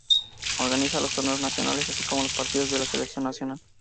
Organiza los torneos nacionales, así como los partidos de la selección nacional.